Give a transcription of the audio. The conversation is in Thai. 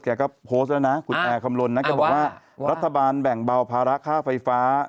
แกก็โพสต์แล้วนะคุณแอร์คำลนนะแกบอกว่ารัฐบาลแบ่งเบาภาระค่าไฟฟ้า